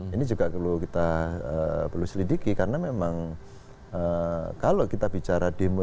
ini juga perlu kita perlu selidiki karena memang kalau kita bicara demo